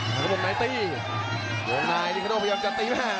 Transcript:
หัวงายลิคาโดพยายามจะตีมาก